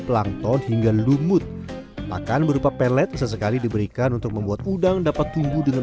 plankton hingga lumut pakan berupa pelet sesekali diberikan untuk membuat udang dapat tumbuh dengan